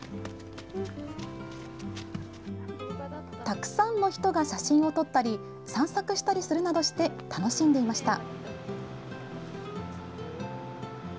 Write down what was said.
たくさんの人が写真を撮ったり散策したりするなどして楽しんでいました。